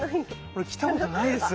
俺来たことないです。